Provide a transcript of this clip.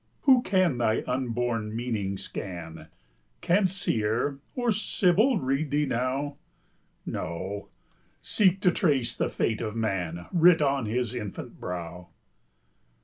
Who can thy unborn meaning scan? Can Seer or Sibyl read thee now? No, seek to trace the fate of man Writ on his infant brow.